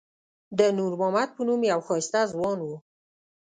د نور محمد په نوم یو ښایسته ځوان و.